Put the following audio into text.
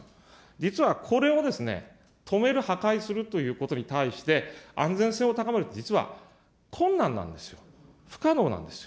実はこれを止める、破壊するということに対して、安全性を高めるって、実はこんなんなんですよ、不可能なんですよ。